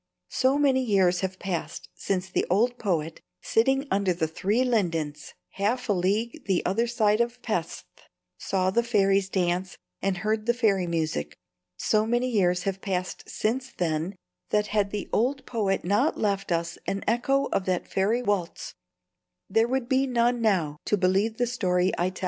So many years have passed since the old poet, sitting under the three lindens half a league the other side of Pesth, saw the fairies dance and heard the fairy music, so many years have passed since then, that had the old poet not left us an echo of that fairy waltz there would be none now to believe the story I tell.